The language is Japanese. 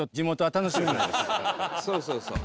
そうそうそう。